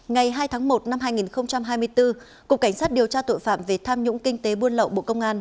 ngày hai tháng một năm hai nghìn hai mươi bốn cục cảnh sát điều tra tội phạm về tham nhũng kinh tế buôn lậu bộ công an